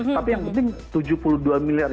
tapi yang penting tujuh puluh dua miliar